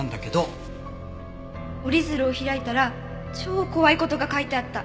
「折り鶴を開いたら超怖い事が書いてあった」